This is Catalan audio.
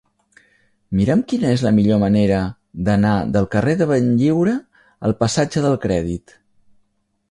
Mira'm quina és la millor manera d'anar del carrer de Benlliure al passatge del Crèdit.